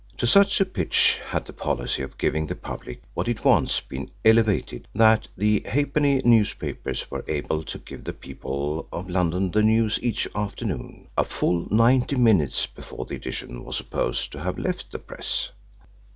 To such a pitch had the policy of giving the public what it wants been elevated that the halfpenny newspapers were able to give the people of London the news each afternoon a full ninety minutes before the edition was supposed to have left the press.